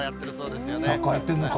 サッカーやってんのか。